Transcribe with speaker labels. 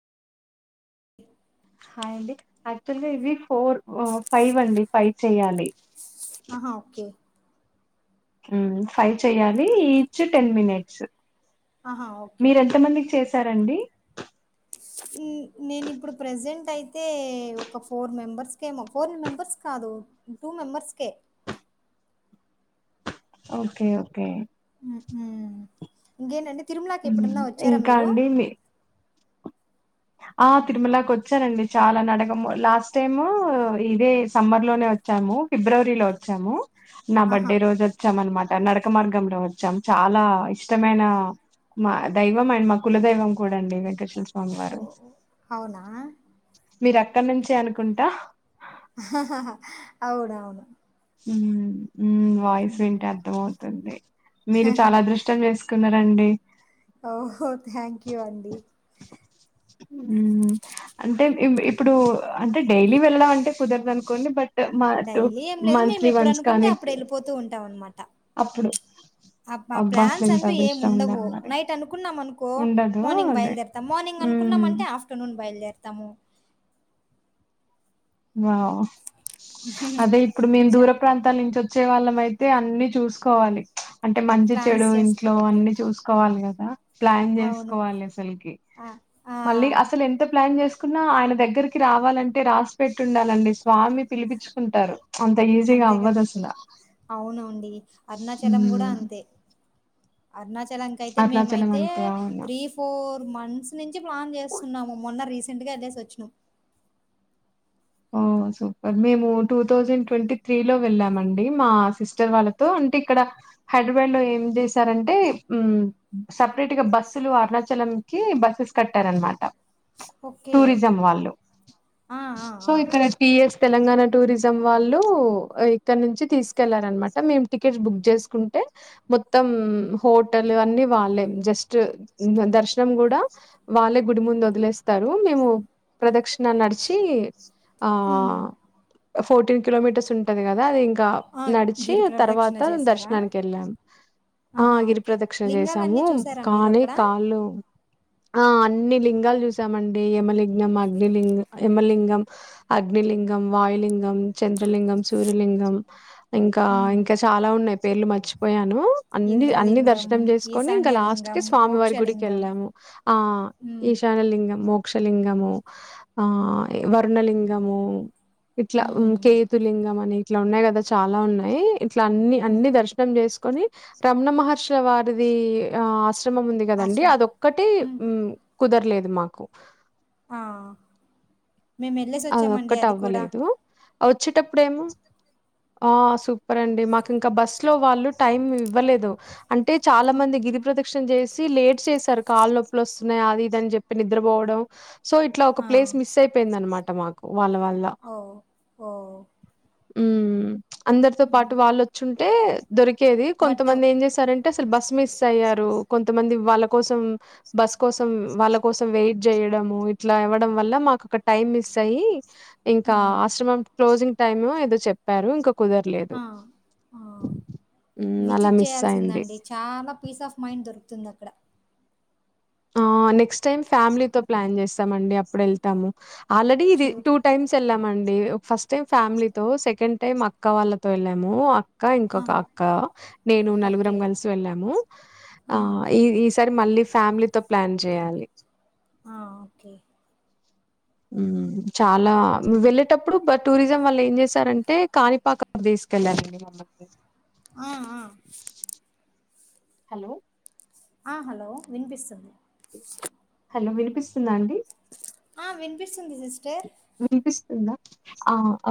Speaker 1: Hi అండి యాక్చువల్గా ఇది ఫోర్ ఫైవ్ అండి ఫైవ్ చెయాలి
Speaker 2: ఆహా ఓకే
Speaker 1: హు ఫైవ్ చెయాలి ఈచ్ టెన్ మినిట్స్
Speaker 2: ఆహా! ఓకే.
Speaker 1: మీరెంత మందికి చేసారండి
Speaker 2: నేను ఇప్పుడు ప్రెసెంట్ అయితే ఒక ఫోర్ మెంబర్స్ కేమో ఫోర్ మెంబర్స్ కాల్ దో టూ మెంబర్స్ కే
Speaker 1: [inaudible] ఓకే ఓకే
Speaker 2: ఉమ్ ఊ ఇంకేటండీ
Speaker 1: ఉమ్ ఇంకా అండి మీ ఆ తిరుమలకు వచ్చానండి చాలా నడకము లాస్ట్ టైము ఇదే సమ్మర్ లోనే వచ్చాము ఫిబ్రవరిలో వచ్చాము నా
Speaker 2: ఆహా!
Speaker 1: బడ్డే రోజు వచ్చాం అనమాట నడక మార్గంలో వచ్చాం చాలా ఇష్టమైన మా దైవం అండి మా కుల దైవం కూడా అండి వెంకటే
Speaker 2: ఓ అవునా
Speaker 1: మీరు అక్కడ్ని నుంచే అనుకుంటా
Speaker 2: అవునవును
Speaker 1: హు హూ మ్మ్ వాయిస్
Speaker 2: హ్మ్.
Speaker 1: వింటే అర్ధం అవుతుంది మీరు చాలా అదృష్టం చేసుకున్నా రండి
Speaker 2: ఓహో థ్యాంక్ యూ అండి
Speaker 1: మ్మ్ హు అంటే ఇప్పుడు అంటే డైలీ వెళ్దం అంటే కుదరదు అనుకోండి బట్ మ టూ
Speaker 2: డైలీ ఏం లేదు.
Speaker 1: మంత్లీ వన్స్
Speaker 2: మేమెప్పుడనుకుంటే
Speaker 1: కానీ టు
Speaker 2: అప్పుడెళ్ళిపోతూ
Speaker 1: అప్పుడు
Speaker 2: అబ్బా ప్లాన్స్
Speaker 1: అసలింత
Speaker 2: అంటూ ఏం
Speaker 1: అదృష్టం
Speaker 2: ఉండవు
Speaker 1: ఉండాలి మరి
Speaker 2: నైట్ అనుకున్నాం అనుకో
Speaker 1: ఉండదు
Speaker 2: మార్నింగ్
Speaker 1: అదే
Speaker 2: బయలుదేరతాం మార్నింగ్
Speaker 1: హ్మ్
Speaker 2: అనుకున్నామంటే ఆఫ్టర్నూన్ బయలుదేరతాము
Speaker 1: వావ్ అదే ఇప్పుడు మేము
Speaker 2: చ
Speaker 1: దూర ప్రాంతాల నుంచి వ వచ్చే వాళ్ళం అయితే అన్ని చూసుకోవాలి అంటే మంచి
Speaker 2: ప్లాన్స్
Speaker 1: చెడు ఇంట్లో
Speaker 2: చేసుకోవాలి కదా
Speaker 1: అన్ని చూసుకోవాలి గ ప్లాన్
Speaker 2: అవును
Speaker 1: జేస్కోవాలి అసల్కి
Speaker 2: ఆ ఆ
Speaker 1: మళ్ళీ అసలు ఎంత ప్లాన్ చేసు కున్నా ఆయన దగ్గరికి రావాలంటే రాసి పెట్టి ఉండాలండి స్వామి పిలిపించుకుంటారు
Speaker 2: అంతే కద అవును అండి అరుణాచలం కూడా
Speaker 1: హ్మ్
Speaker 2: అంతే అరుణాచలం కైతే
Speaker 1: అరుణాచలం
Speaker 2: మేమయితే
Speaker 1: అంతే అవునా
Speaker 2: త్రీ ఫోర్ మంత్స్ నుంచి ప్లాన్ చేస్తున్నాము మొన్న రీసెంట్గా ఎళ్ళేసి వచ్చినం
Speaker 1: ఓ సూపర్ మేము టూ థౌజండ్ ట్వంటీ త్రీ లో వెళ్ళామండి మా సిస్టర్ వాళ్ళతో అంటే ఇక్కడ హైదరాబాద్ లో ఏం చేశారంటే మ్మ్ సెపరేట్ గా బస్సులు అరుణాచలం కి బస్సెస్ కట్టారు అనమాట
Speaker 2: ఓకే ఆ ఆ
Speaker 1: సో
Speaker 2: ఆ
Speaker 1: ఇక్కడ పిఎస్ తెలంగాణ టూరిజం వాళ్ళు ఇక్కడ నుంచి తీస్కెళ్లారనమాట మేము టికెట్స్ బుగ్ జేస్కుంటే మొత్తం మ్ హోటల్ అన్ని వాళ్ళె జస్ట్ దర్శన రం గూడా వాళ్ళే గుడి ముందు వదిలేస్తారు మేము ప్రదక్షిణ నడిచి ఆ
Speaker 2: ఉమ్
Speaker 1: ఫోర్టీన్ కిలోమీటర్స్ ఉంటది కదా అది ఇం గ
Speaker 2: ఆ
Speaker 1: నడిచి
Speaker 2: గిరి ప్రదక్షిణ
Speaker 1: తర్వాత
Speaker 2: చేశారా
Speaker 1: దర్శనానికి ఎళ్ళాం ఆ
Speaker 2: ఆహా
Speaker 1: గిరి
Speaker 2: ఓకే
Speaker 1: ప్ర్రదక్షిణ
Speaker 2: లింగాలన్నీ
Speaker 1: చేసాము
Speaker 2: చూసారా మీరు
Speaker 1: కానీ
Speaker 2: అక్కడ
Speaker 1: కాళ్ళు ఆ అన్ని లింగాలు చూసామండి యమలింగం అగ్నిలింగం యమలింగం అగ్నిలింగం వాయులింగం చంద్రలింగం సూర్యలింగం ఇంకా
Speaker 2: ఉమ్
Speaker 1: ఇంకా చాలా ఉన్నాయి పేర్లు మర్చిపోయాను అన్ని అన్ని
Speaker 2: ఇంద్రలింగం
Speaker 1: దర్శనం చేసుకొని ఇంకా లాస్ట్ కి
Speaker 2: ఈశాన్యలింగం
Speaker 1: స్వామివారి గుడికి
Speaker 2: మోక్షలింగం
Speaker 1: వెళ్ళాము ఆ
Speaker 2: ఉమ్
Speaker 1: ఇ ఈశాన్యలింగం మోక్షలింగము ఆ వర్ణలింగము ఇట్లా మ్మ్
Speaker 2: హ్మ్
Speaker 1: కేతులింగం అని ఇట్లా ఉన్నాయి కదా చాలా ఉన్నాయి ఇట్లా అన్ని
Speaker 2: హ్మ్.
Speaker 1: అన్ని దర్శనం చేస్కొని రమణ మహర్షిల వారిది ఆశ్ మం ఉంది కదండి
Speaker 2: ఆశ్రమం.
Speaker 1: అదొక్కటే
Speaker 2: హ్మ్.
Speaker 1: కుదర్లేదు మాకు
Speaker 2: ఆ మేము ఎళ్ళేసి వచ్చామండి అది కూడ
Speaker 1: వచ్చేటప్పుడెమో ఆ సూపర్ అండి మాకు ఇంకా బస్ ఇంట్లో వాళ్ళు టైమ్ ఇవ్వలేదు అంటే చాలా మంది గిరి ప్రదక్షిణ జేస్ సీ లేట్ చేసారు కాళ్లు నొప్పులు వస్తున్నాయ్ అది ఇది అని జెప్పి నిద్రపోవడం సో ఇట్లా ఒక
Speaker 2: ఆ!
Speaker 1: ప్లేస్ మిస్ అయిపోయింది అనమాట మాకు వాళ్ళ వల్ల
Speaker 2: ఓహ్! ఓహ్!
Speaker 1: హ్మ్. అందరితో పాటు
Speaker 2: హ్మ్.
Speaker 1: వాళ్ళొచ్చుంటే దొరికేది
Speaker 2: బట్
Speaker 1: కొంతమంది ఏం చేశారం టే అసలు బస్ మిస్ అయ్యారు కొంతమంది వాళ్ళ కోసం బస్ కోసం వాళ్ళ కోసం వెయిట్ జేయ ఇడము ఇట్ల ఇవ్వడం వల్ల మాకు ఒక టైమ్ మిస్ తయ్యి
Speaker 2: ఆ!
Speaker 1: ఇంకా ఆశ్రమం క్లోజింగ్ టైమ్ ఏదో చెప్పారు ఇంకొ కుదరలేదు.
Speaker 2: ఆ! ఆ
Speaker 1: హ్మ్. అలా
Speaker 2: విజిట్
Speaker 1: మిస్ అయింది.
Speaker 2: చేయాల్సిందండి చాలా పీస్ ఆఫ్ మైండ్ దొరుకుతుంది.
Speaker 1: ఆ నెక్స్ట్ టైమ్ ఫ్యామిలీతో ప్లాన్ చేస్తామండి అప్పుడు వెళ్తాము. ఆల్రెడీ ఇది
Speaker 2: ష్యూర్.
Speaker 1: టూ టైమ్స్ వెళ్ళామండి ఒక ఫస్ట్ టైం ఫ్యామిలీ తో సెకండ్ అంటే మా అక్క వాళ్ళతో వెళ్ళాము అక్ అక్క ఇంకొక
Speaker 2: ఆహా!
Speaker 1: అక్క నేను నలుగురం
Speaker 2: ఓకే.
Speaker 1: కల్సి వెళ్ళాము. ఆ
Speaker 2: ఆహా!
Speaker 1: ఈ
Speaker 2: ఓకే.
Speaker 1: ఈసారి మళ్ళీ ఫ్యామిలీతో ప్లాన్ చేయాలి.
Speaker 2: ఆ ఓకే
Speaker 1: ఉమ్ చాలా
Speaker 2: హ్మ్.
Speaker 1: వెళ్ళేటప్పుడు బ టూరిజం వాళ్ళు ఏం చేశారంటే కాణిపాక స్ తీస్ వెళ్ళరండి మమ్మలిని
Speaker 2: ఆ ఆ
Speaker 1: హలో
Speaker 2: ఆ హలో వినిపిస్తుంది.
Speaker 1: వినిపిస్తుందా అండి.
Speaker 2: ఆ వినిపిస్తుంది సిస్టర్
Speaker 1: వినిపిస్తుందా? ఆ అ